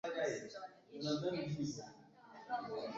Ukoo kuamua kuangamiza watoto walemavu